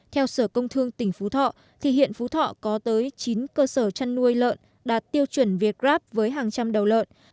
theo sở công thương tỉnh phú thọ thì hiện phú thọ có tới chín cơ sở chăn nuôi lợn đạt tiêu chuẩn việt grab với hàng trăm đầu lợn